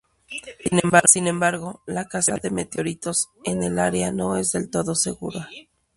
Sin embargo, la caza de meteoritos en el área no es del todo segura.